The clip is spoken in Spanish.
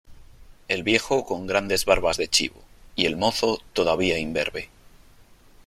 el viejo con grandes barbas de chivo , y el mozo todavía imberbe .